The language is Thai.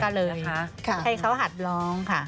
ก็เลยให้เขาหัดกันของร้องค่ะ